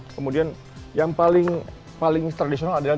kemudian yang paling tradisional adalah